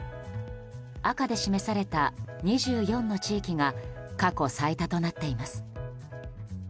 赤で示された２４の地域が過去最多となっています。